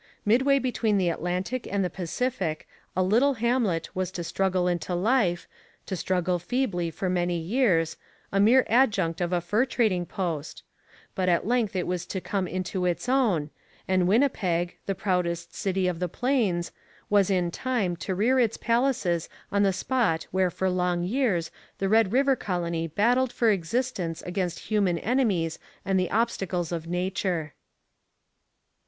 Midway between the Atlantic and the Pacific a little hamlet was to struggle into life, to struggle feebly for many years a mere adjunct of a fur trading post; but at length it was to come into its own, and Winnipeg, the proudest city of the plains, was in time to rear its palaces on the spot where for long years the Red River Colony battled for existence against human enemies and the obstacles of nature.